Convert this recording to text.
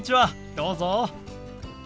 どうぞ。